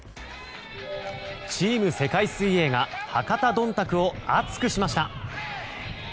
チーム世界水泳が博多どんたくを熱くしました。